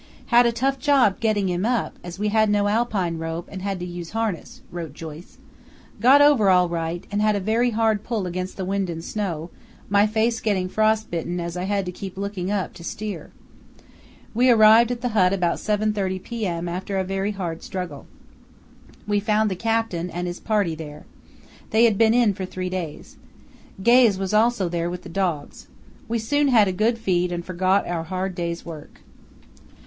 "Had a tough job getting him up, as we had no alpine rope and had to use harness," wrote Joyce. "Got over all right and had a very hard pull against wind and snow, my face getting frost bitten as I had to keep looking up to steer. We arrived at the hut about 7.30 p.m. after a very hard struggle. We found the Captain and his party there. They had been in for three days. Gaze was also there with the dogs. We soon had a good feed and forgot our hard day's work."